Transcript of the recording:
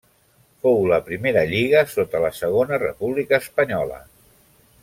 Fou la primera lliga sota la Segona República espanyola.